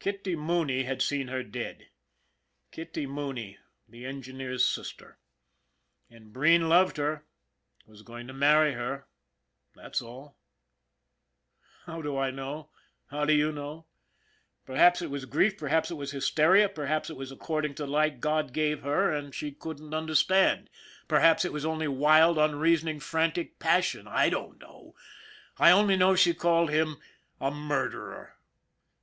Kitty Mooney had seen her dead. Kitty Mooney, the engineer's sister ! And Breen loved her, was going to marry her. That's all. How do I know? How do you know? Perhaps it was grief, perhaps it was hysteria, perhaps it was ac cording to the light God gave her and she couldn't "IF A MAN DIE" 57 understand, perhaps it was only wild, unreasoning, frantic passion. I don't know. I only know she called him a murderer.